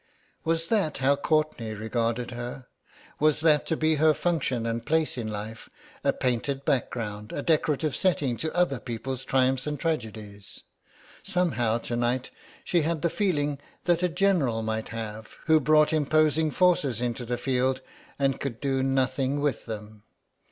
Was that how Courtenay regarded her? Was that to be her function and place in life, a painted background, a decorative setting to other people's triumphs and tragedies? Somehow to night she had the feeling that a general might have who brought imposing forces into the field and could do nothing with them.